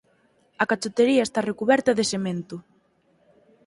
A cachotería está recuberta de cemento.